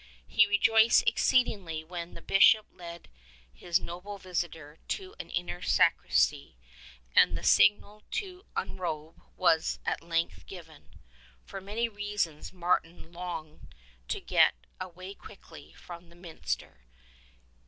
He rejoiced exceedingly when the Bishop led his noble visitor to an inner sacristy, and the signal to unrobe was at length given. For many reasons Martin longed to get away quickly from the minster.